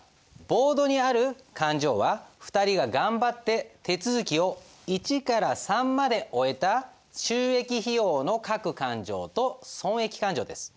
ボードにある勘定は２人が頑張って手続きを１から３まで終えた収益費用の各勘定と損益勘定です。